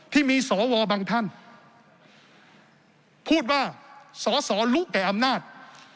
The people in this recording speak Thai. ที่มีสวบางท่านพูดว่าสอสอรู้แก่อำนาจ